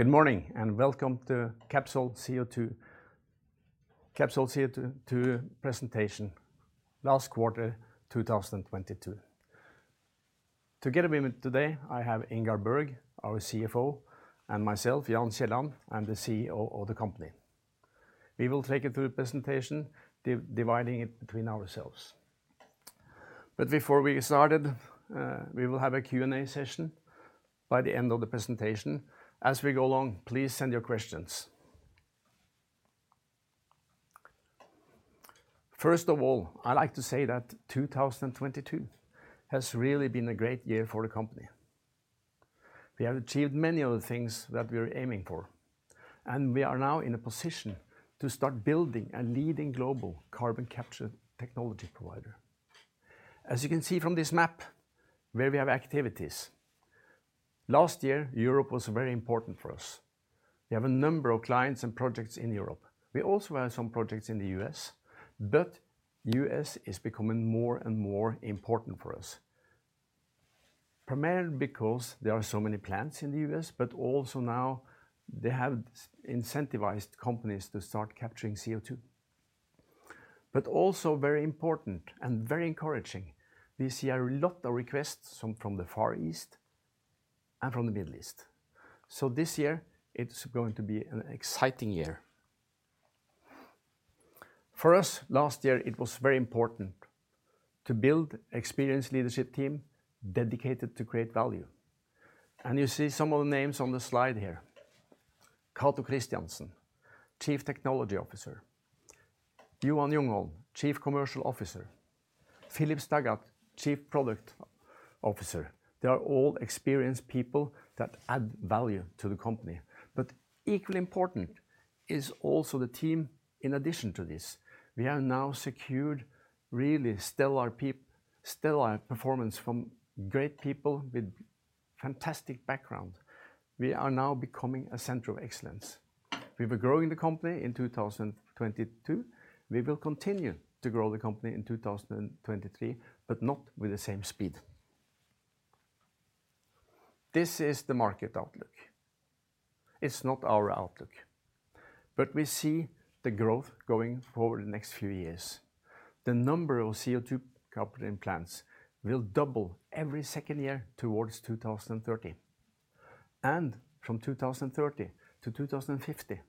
Good morning, and welcome to Capsol Technologies presentation, last quarter 2022. Together with me today, I have Ingar Bergh, our CFO, and myself, Jan Kielland, I'm the CEO of the company. We will take you through the presentation, dividing it between ourselves. Before we get started, we will have a Q&A session by the end of the presentation. As we go along, please send your questions. First of all, I'd like to say that 2022 has really been a great year for the company. We have achieved many of the things that we were aiming for, and we are now in a position to start building a leading global carbon capture technology provider. As you can see from this map where we have activities, last year, Europe was very important for us. We have a number of clients and projects in Europe. We also have some projects in the U.S., but U.S. is becoming more and more important for us, primarily because there are so many plants in the U.S., but also now they have incentivized companies to start capturing CO2. Also very important and very encouraging, we see a lot of requests from the Far East and from the Middle East. This year it's going to be an exciting year. For us, last year it was very important to build experienced leadership team dedicated to create value, and you see some of the names on the slide here. Cato Christiansen, Chief Technology Officer, Johan Ljungholm, Chief Commercial Officer, Philip Staggat, Chief Product Officer. They are all experienced people that add value to the company. Equally important is also the team in addition to this. We have now secured really stellar performance from great people with fantastic background. We are now becoming a center of excellence. We were growing the company in 2022. We will continue to grow the company in 2023, but not with the same speed. This is the market outlook. It's not our outlook. We see the growth going forward the next few years. The number of CO2 capturing plants will double every second year towards 2030. From 2030 to 2050,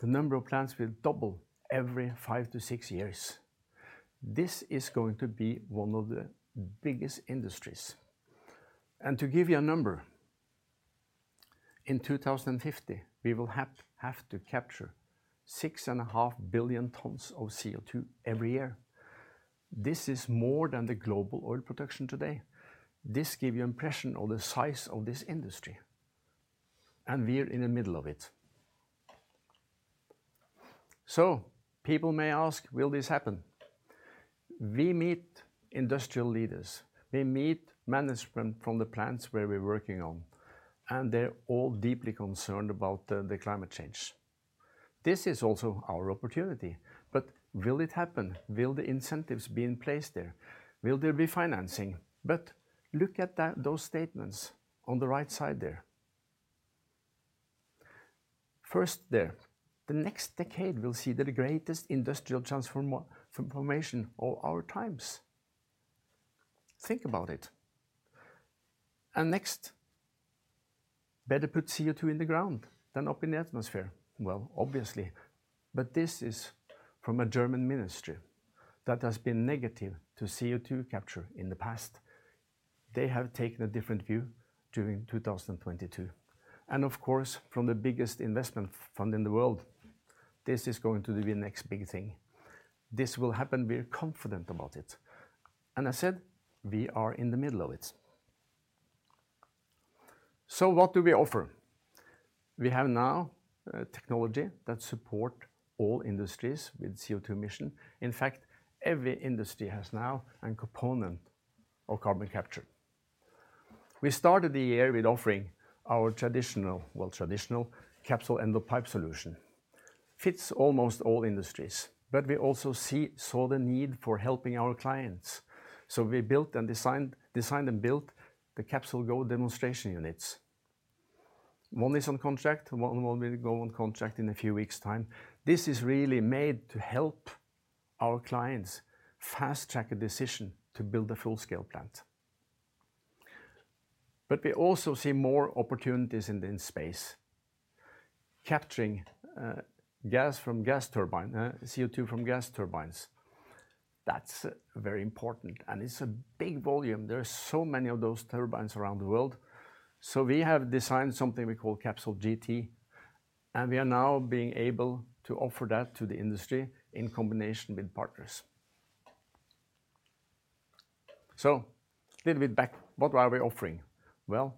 the number of plants will double every five to six years. This is going to be one of the biggest industries. To give you a number, in 2050, we will have to capture 6.5 billion tons of CO2 every year. This is more than the global oil production today. This give you impression of the size of this industry, and we're in the middle of it. People may ask, "Will this happen?" We meet industrial leaders, we meet management from the plants where we're working on, and they're all deeply concerned about the climate change. This is also our opportunity, but will it happen? Will the incentives be in place there? Will there be financing? Look at that, those statements on the right side there. First there, "The next decade will see the greatest industrial transformation of our times." Think about it. Next, "Better put CO2 in the ground than up in the atmosphere." Well, obviously, but this is from a German ministry that has been negative to CO2 capture in the past. They have taken a different view during 2022. Of course, from the biggest investment fund in the world, this is going to be the next big thing. This will happen, we're confident about it. I said, we are in the middle of it. What do we offer? We have now technology that support all industries with CO2 emission. In fact, every industry has now an component of carbon capture. We started the year with offering our traditional, well, traditional Capsol end-of-pipe solution. Fits almost all industries. We also saw the need for helping our clients, we designed and built the CapsolGo demonstration units. One is on contract, one will go on contract in a few weeks' time. This is really made to help our clients fast-track a decision to build a full-scale plant. We also see more opportunities in this space. Capturing gas from gas turbine CO2 from gas turbines, that's very important, and it's a big volume. There are so many of those turbines around the world. We have designed something we call CapsolGT, and we are now being able to offer that to the industry in combination with partners. Little bit back, what are we offering? Well,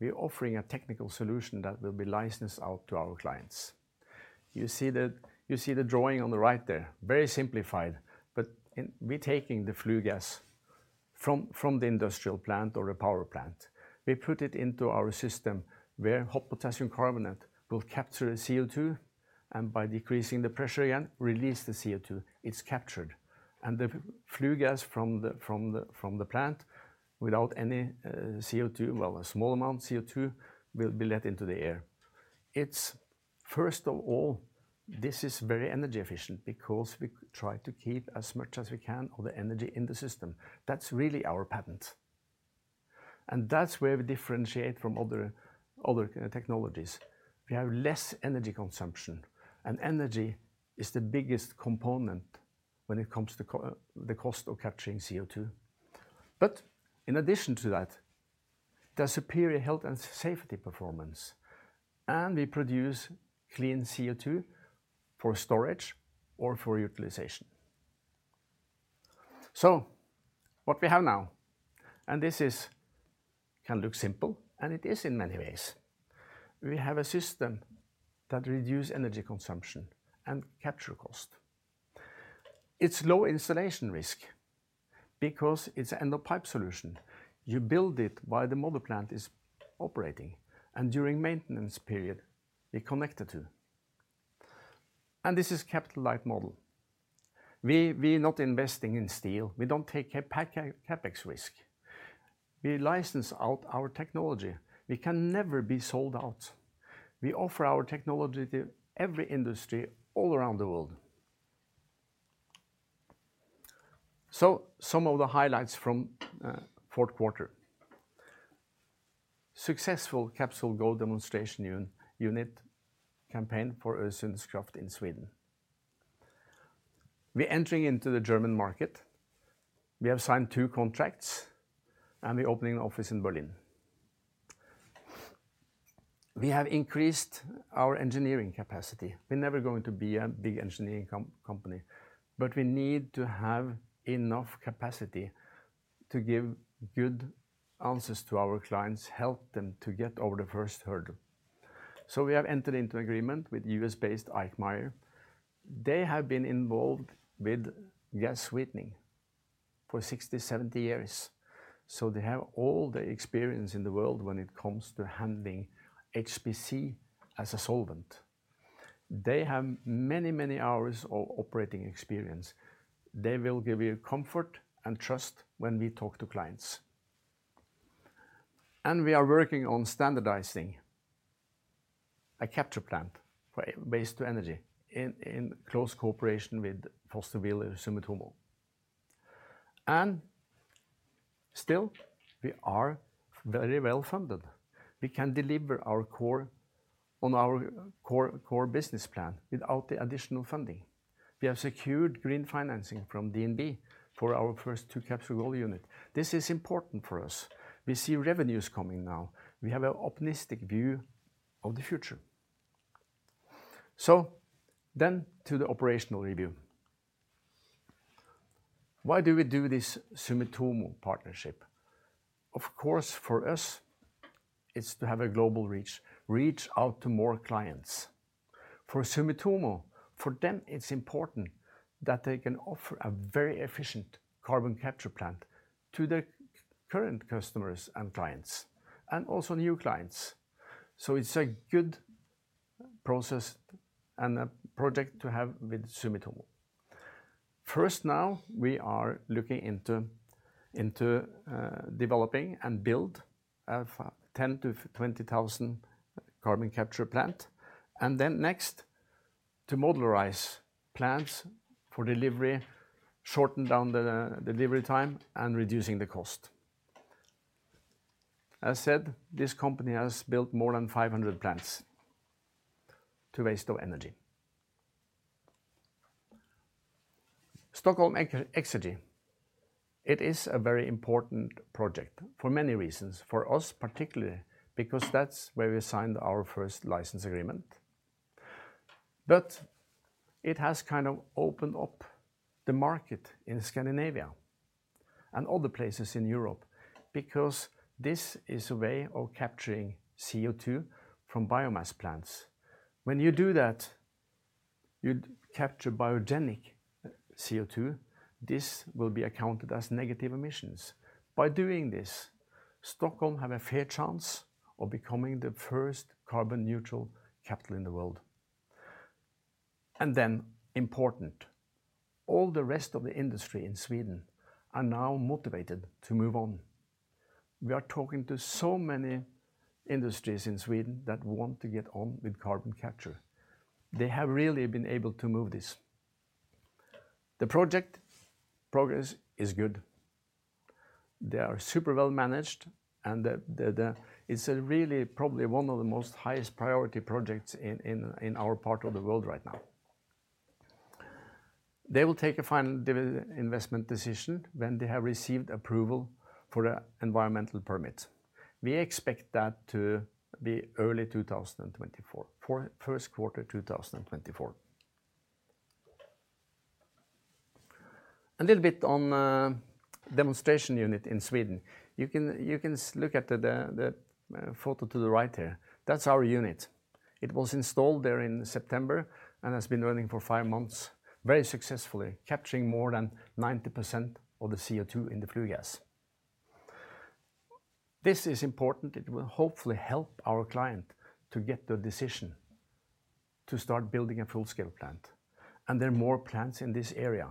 we're offering a technical solution that will be licensed out to our clients. You see the, you see the drawing on the right there, very simplified, but we're taking the flue gas from the industrial plant or a power plant. We put it into our system where Hot Potassium Carbonate will capture the CO2. By decreasing the pressure again, release the CO2, it's captured. The flue gas from the plant without any CO2, well, a small amount of CO2, will be let into the air. It's first of all, this is very energy efficient because we try to keep as much as we can of the energy in the system. That's really our patent. That's where we differentiate from other technologies. We have less energy consumption, and energy is the biggest component when it comes to the cost of capturing CO2. In addition to that, there's superior health and safety performance, and we produce clean CO2 for storage or for utilization. What we have now, and this can look simple, and it is in many ways. We have a system that reduce energy consumption and capture cost. It's low installation risk because it's end-of-pipe solution. You build it while the mother plant is operating, and during maintenance period, we connect it to. This is capital-light model. We're not investing in steel. We don't take CapEx risk. We license out our technology. We can never be sold out. We offer our technology to every industry all around the world. Some of the highlights from fourth quarter. Successful CapsolGo demonstration unit campaign for Örnsköldsvik in Sweden. We're entering into the German market. We have signed two contracts, and we're opening an office in Berlin. We have increased our engineering capacity. We're never going to be a big engineering company, but we need to have enough capacity to give good answers to our clients, help them to get over the first hurdle. We have entered into agreement with U.S.-based Eickmeyer. They have been involved with gas sweetening for 60, 70 years, so they have all the experience in the world when it comes to handling HPC as a solvent. They have many hours of operating experience. They will give you comfort and trust when we talk to clients. We are working on standardizing a capture plant for waste-to-energy in close cooperation with Foster Wheeler Sumitomo. We are very well-funded. We can deliver on our core business plan without the additional funding. We have secured green financing from DNB for our first two CapsolGo unit. This is important for us. We see revenues coming now. We have an optimistic view of the future. To the operational review. Why do we do this Sumitomo partnership? Of course, for us, it's to have a global reach out to more clients. For Sumitomo, for them, it's important that they can offer a very efficient carbon capture plant to their current customers and clients, and also new clients. It's a good process and a project to have with Sumitomo. First now, we are looking into developing and build a 10,000-20,000 carbon capture plant. Then next, to modularize plants for delivery, shorten down the delivery time, and reducing the cost. As said, this company has built more than 500 plants to waste-to-energy. Stockholm Exergi, it is a very important project for many reasons, for us particularly, because that's where we signed our first license agreement. It has kind of opened up the market in Scandinavia and other places in Europe, because this is a way of capturing CO2 from biomass plants. When you do that, you capture biogenic CO2. This will be accounted as negative emissions. By doing this, Stockholm have a fair chance of becoming the first carbon-neutral capital in the world. Important, all the rest of the industry in Sweden are now motivated to move on. We are talking to so many industries in Sweden that want to get on with carbon capture. They have really been able to move this. The project progress is good. They are super well-managed, and the it's really probably one of the most highest priority projects in our part of the world right now. They will take a final investment decision when they have received approval for the environmental permit. We expect that to be early 2024, for first quarter 2024. A little bit on demonstration unit in Sweden. You can look at the, the photo to the right here. That's our unit. It was installed there in September and has been running for five months very successfully, capturing more than 90% of the CO2 in the flue gas. This is important. It will hopefully help our client to get the decision to start building a full-scale plant. There are more plants in this area,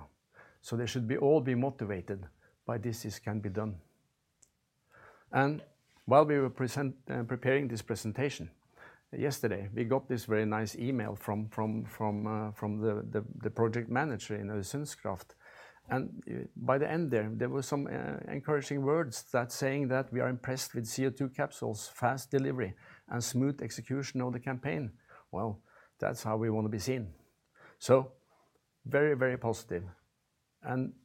so they should be all be motivated by this can be done. While we were preparing this presentation yesterday, we got this very nice email from the project manager in Øresundskraft. By the end there were some encouraging words that saying that we are impressed with Capsol's fast delivery and smooth execution of the campaign. Well, that's how we wanna be seen. Very, very positive.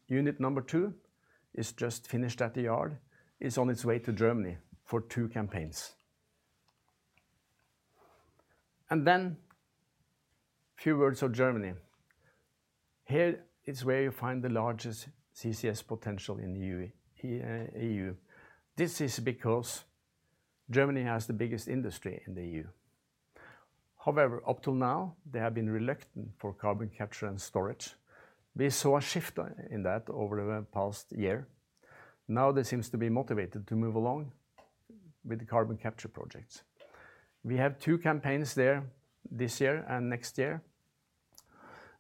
Unit number two is just finished at the yard, is on its way to Germany for two campaigns. Then few words of Germany. Here is where you find the largest CCS potential in the EU. This is because Germany has the biggest industry in the EU. Up till now they have been reluctant for carbon capture and storage. We saw a shift in that over the past year. Now they seems to be motivated to move along with the carbon capture projects. We have two campaigns there this year and next year.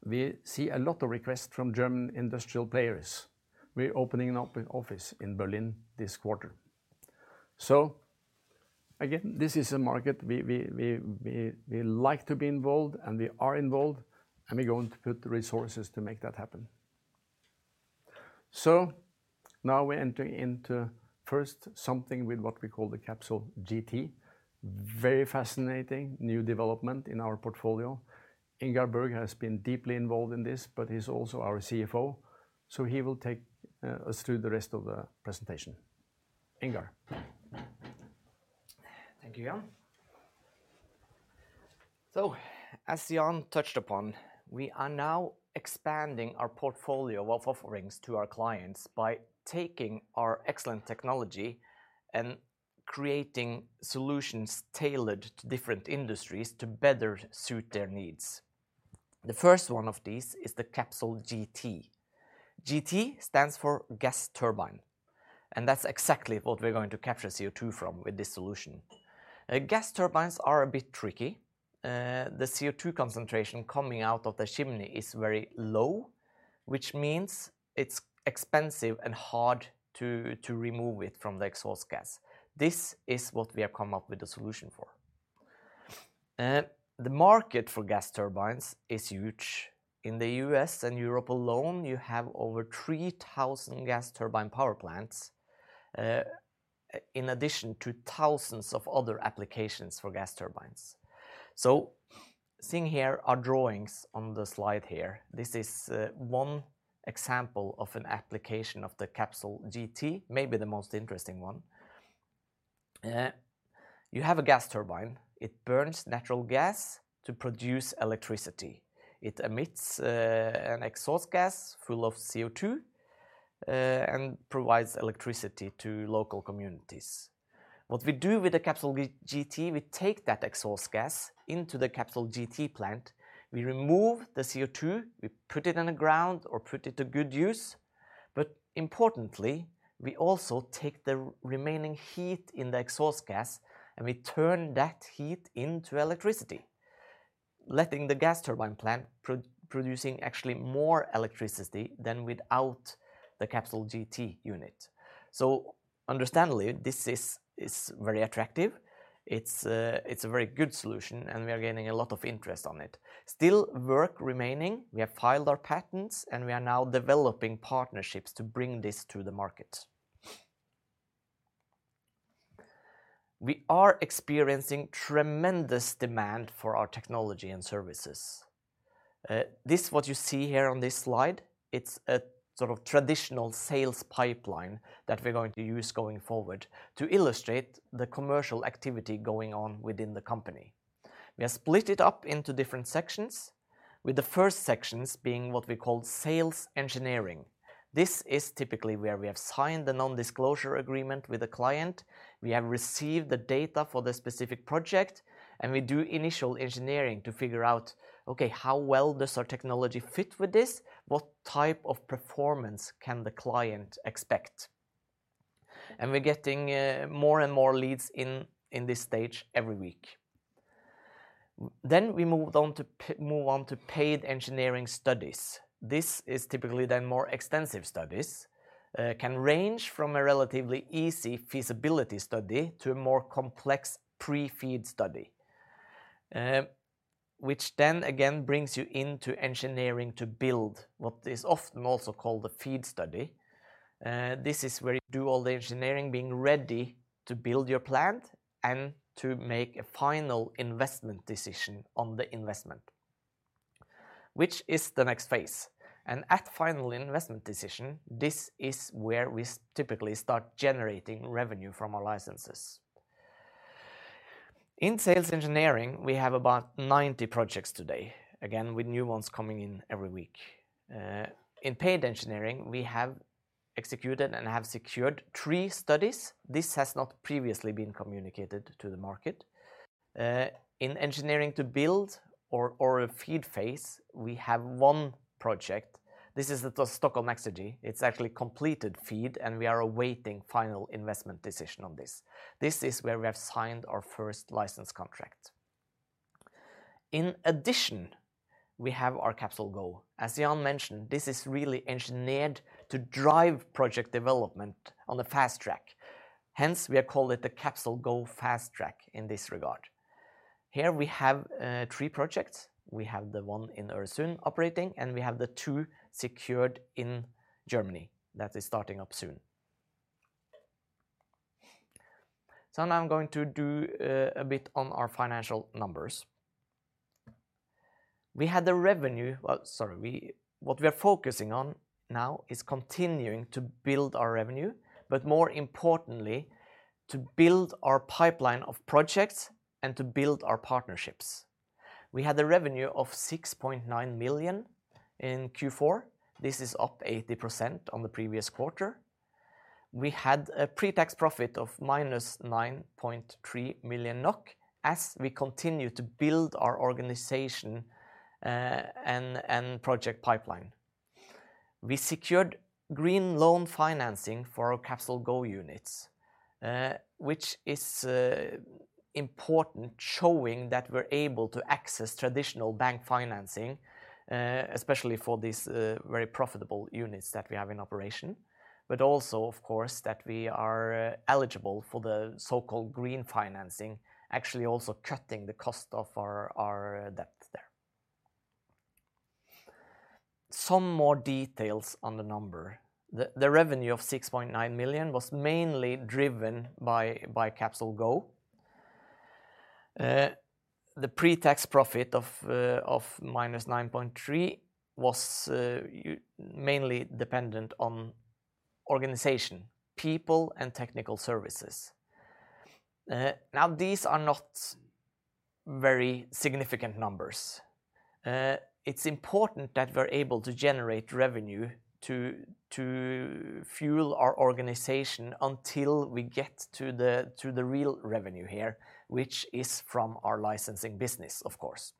We see a lot of requests from German industrial players. We're opening an office in Berlin this quarter. Again, this is a market we like to be involved and we are involved, and we're going to put resources to make that happen. Now we're entering into first something with what we call the CapsolGT. Very fascinating new development in our portfolio. Ingar Bergh has been deeply involved in this, but he's also our CFO, so he will take us through the rest of the presentation. Ingar. Thank you, Jan. As Jan touched upon, we are now expanding our portfolio of offerings to our clients by taking our excellent technology and creating solutions tailored to different industries to better suit their needs. The first one of these is the CapsolGT. GT stands for gas turbine, and that's exactly what we're going to capture CO2 from with this solution. Gas turbines are a bit tricky. The CO2 concentration coming out of the chimney is very low, which means it's expensive and hard to remove it from the exhaust gas. This is what we have come up with a solution for. The market for gas turbines is huge. In the U.S. and Europe alone, you have over 3,000 gas turbine power plants, in addition to thousands of other applications for gas turbines. Seeing here are drawings on the slide here. This is one example of an application of the CapsolGT, maybe the most interesting one. You have a gas turbine. It burns natural gas to produce electricity. It emits an exhaust gas full of CO2 and provides electricity to local communities. What we do with the CapsolGT, we take that exhaust gas into the CapsolGT plant. We remove the CO2, we put it in the ground or put it to good use. Importantly, we also take the remaining heat in the exhaust gas, and we turn that heat into electricity, letting the gas turbine plant producing actually more electricity than without the CapsolGT unit. Understandably, this is very attractive. It's a very good solution, and we are gaining a lot of interest on it. Still work remaining. We have filed our patents. We are now developing partnerships to bring this to the market. We are experiencing tremendous demand for our technology and services. This what you see here on this slide, it's a sort of traditional sales pipeline that we're going to use going forward to illustrate the commercial activity going on within the company. We have split it up into different sections, with the first sections being what we call sales engineering. This is typically where we have signed the non-disclosure agreement with a client. We have received the data for the specific project. We do initial engineering to figure out, okay, how well does our technology fit with this? What type of performance can the client expect? We're getting more and more leads in this stage every week. We move on to paid engineering studies. This is typically then more extensive studies. It can range from a relatively easy feasibility study to a more complex pre-FEED study, which then again brings you into engineering to build what is often also called the FEED study. This is where you do all the engineering being ready to build your plant and to make a final investment decision on the investment, which is the next phase. At final investment decision, this is where we typically start generating revenue from our licenses. In sales engineering, we have about 90 projects today, again, with new ones coming in every week. In paid engineering, we have executed and have secured three studies. This has not previously been communicated to the market. In engineering to build or a FEED phase, we have one project. This is at the Stockholm Exergi. It's actually completed FEED, and we are awaiting final investment decision on this. This is where we have signed our first license contract. In addition, we have our CapsolGo. As Jan mentioned, this is really engineered to drive project development on a fast track. Hence, we call it the CapsolGo Fast Track in this regard. Here we have three projects. We have the one in Öresund operating, and we have the two secured in Germany that is starting up soon. Now I'm going to do a bit on our financial numbers. Sorry, what we are focusing on now is continuing to build our revenue, more importantly, to build our pipeline of projects and to build our partnerships. We had a revenue of 6.9 million in Q4. This is up 80% on the previous quarter. We had a pre-tax profit of -9.3 million NOK as we continue to build our organization and project pipeline. We secured green loan financing for our CapsolGo units, which is important, showing that we're able to access traditional bank financing, especially for these very profitable units that we have in operation, also, of course, that we are eligible for the so-called green financing, actually also cutting the cost of our debt there. Some more details on the number. The revenue of 6.9 million was mainly driven by CapsolGo. The pre-tax profit of minus 9.3 million was mainly dependent on organization, people and technical services. Now these are not very significant numbers. It's important that we're able to generate revenue to fuel our organization until we get to the real revenue here, which is from our licensing business, of course.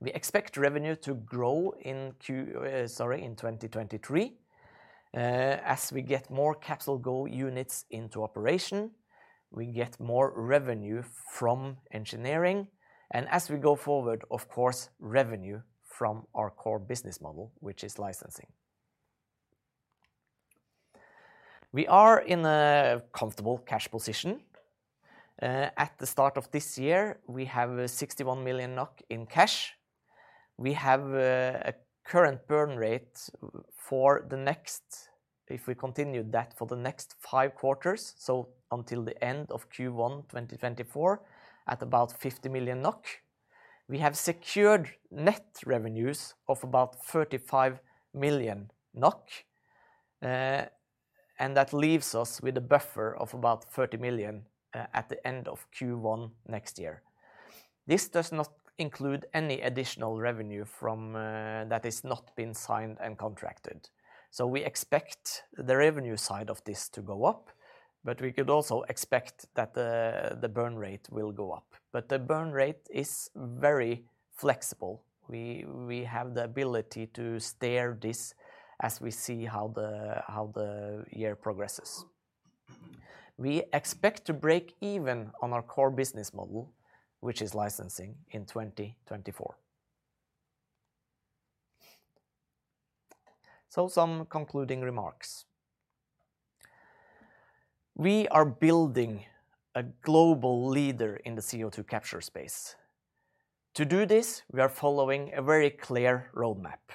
We expect revenue to grow in 2023. As we get more CapsolGo units into operation, we get more revenue from engineering, and as we go forward, of course, revenue from our core business model, which is licensing. We are in a comfortable cash position. At the start of this year, we have 61 million NOK in cash. We have a current burn rate if we continue that, for the next five quarters, so until the end of Q1 2024, at about 50 million NOK. We have secured net revenues of about 35 million NOK, and that leaves us with a buffer of about 30 million at the end of Q1 next year. This does not include any additional revenue from that has not been signed and contracted. We expect the revenue side of this to go up, but we could also expect that the burn rate will go up. The burn rate is very flexible. We have the ability to steer this as we see how the year progresses. We expect to break even on our core business model, which is licensing, in 2024. Some concluding remarks. We are building a global leader in the CO2 capture space. To do this, we are following a very clear roadmap.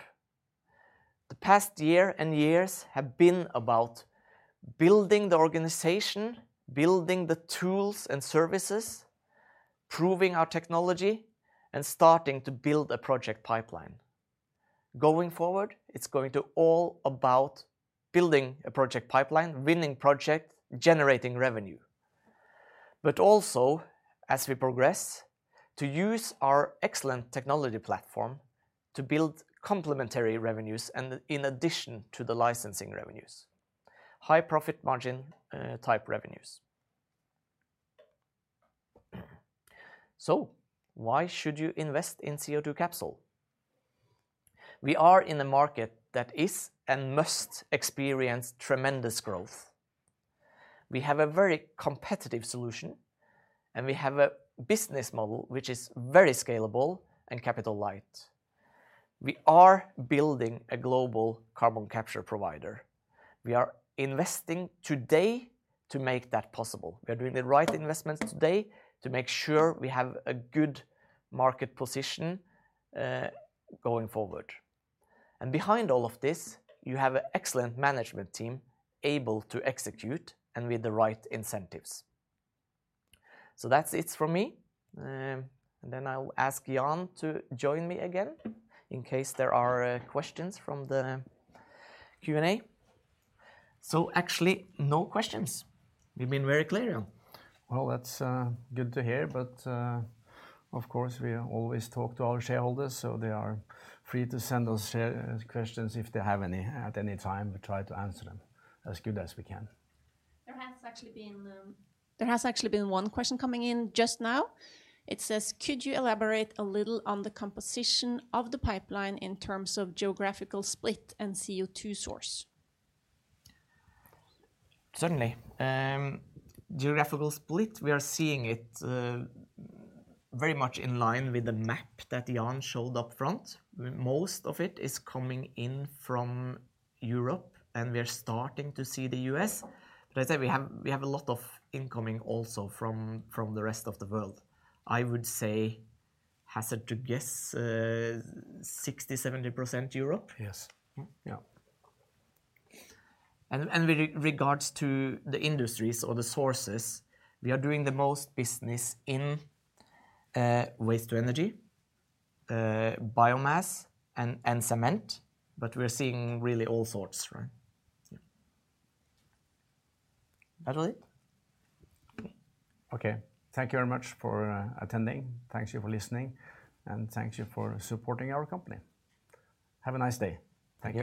The past year and years have been about building the organization, building the tools and services, proving our technology, and starting to build a project pipeline. It's going to all about building a project pipeline, winning projects, generating revenue. Also, as we progress, to use our excellent technology platform to build complementary revenues in addition to the licensing revenues, high profit margin type revenues. Why should you invest in CO2 Capsol? We are in a market that is and must experience tremendous growth. We have a very competitive solution, and we have a business model which is very scalable and capital light. We are building a global carbon capture provider. We are investing today to make that possible. We are doing the right investments today to make sure we have a good market position, going forward. Behind all of this, you have an excellent management team able to execute and with the right incentives. That's it from me. I'll ask Jan to join me again in case there are questions from the Q&A. Actually, no questions. You've been very clear, Jan. Well, that's good to hear. Of course, we always talk to our shareholders. They are free to send us questions if they have any at any time. We try to answer them as good as we can. There has actually been one question coming in just now. It says: "Could you elaborate a little on the composition of the pipeline in terms of geographical split and CO2 source? Certainly. Geographical split, we are seeing it very much in line with the map that Jan showed up front. Most of it is coming in from Europe, and we are starting to see the U.S. As I said, we have a lot of incoming also from the rest of the world. I would say, hazard to guess, 60%, 70% Europe. Yes. Mm-hmm. Yeah. With regards to the industries or the sources, we are doing the most business in waste-to-energy, biomass, and cement, We're seeing really all sorts, right? Yeah. That's it. Okay. Thank you very much for attending. Thank you for listening. Thank you for supporting our company. Have a nice day. Thank you.